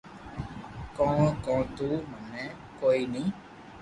ڪون ڪو تو تو موني ڪوئي ني